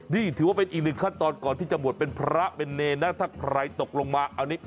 นี่ถือว่าเป็นอีกหนึ่งขั้นตอนก่อนที่จะบวชเป็นพระเป็นเนรนะถ้าใครตกลงมาอันนี้